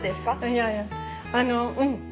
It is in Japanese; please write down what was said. いやいやあのうん。